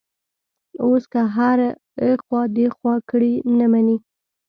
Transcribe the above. اوس که هر ایخوا دیخوا کړي، نه مني.